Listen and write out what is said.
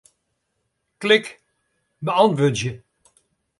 Klik Beäntwurdzje.